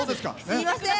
すいません！